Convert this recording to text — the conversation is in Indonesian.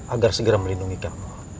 agar segera melindungi kamu